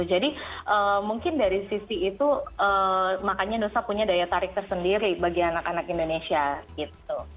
jadi mungkin dari sisi itu makanya nusa punya daya tarik tersendiri bagi anak anak indonesia gitu